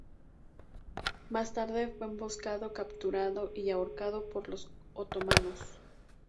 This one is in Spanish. Más tarde fue emboscado, capturado y ahorcado por los otomanos.